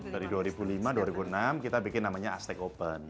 dari dua ribu lima dua ribu enam kita bikin namanya aspek open